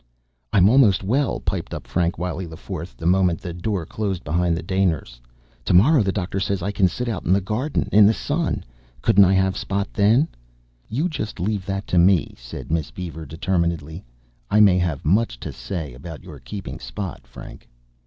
"I'm almost well," piped up Frank Wiley IV, the moment the door closed behind the day nurse. "Tomorrow, the doctor says, I can sit out in the garden in the sun. Couldn't I have Spot then?" "You just leave that to me," said Miss Beaver determinedly. "I may have much to say about your keeping Spot, Frank."